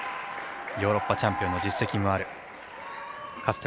ヨーロッパチャンピオンの実績もあるか